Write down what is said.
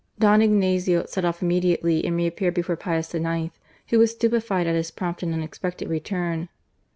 Don Ignazio set off immediately and reappeared before Pius IX., who was stupefied at his prompt and unexpected return.